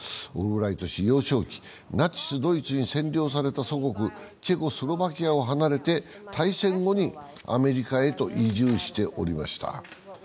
オルブライト氏、幼少期、ナチス・ドイツに占領された祖国、チェコスロバキアを離れて大戦後にアメリカへと移住しておりました。